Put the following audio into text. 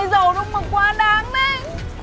người giàu đúng mà quá đáng đấy